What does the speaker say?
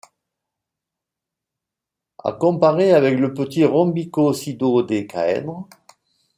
À comparer avec le petit rhombicosidodécaèdre.